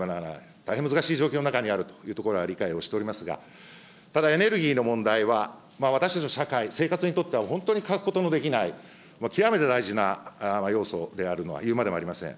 大変難しい状況の中にあるということは理解をしておりますが、ただエネルギーの問題は、私たちの社会、生活にとっては本当に欠くことのできない、極めて大事な要素であるのは言うまでもありません。